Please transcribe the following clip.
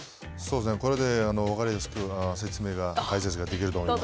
これで分かりやすく説明ができると思います。